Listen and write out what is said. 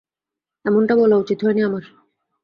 এমনটা বলা উচিত হয়নি আমার।